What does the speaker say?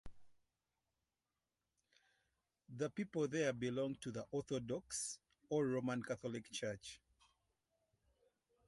The people there belong to the Orthodox or Roman Catholic church.